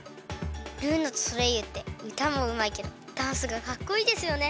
ルーナとソレイユってうたもうまいけどダンスがかっこいいですよね。